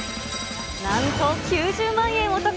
なんと９０万円お得。